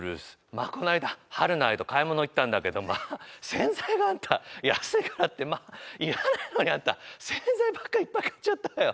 まあこの間はるな愛と買い物行ったんだけどまあ洗剤があんた安いからってまあ要らないのにあんた洗剤ばっかりいっぱい買っちゃったわよ